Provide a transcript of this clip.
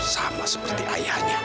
sama seperti ayahnya